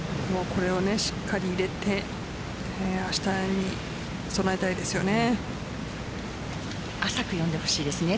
これをしっかり入れて明日に備えたいですよね。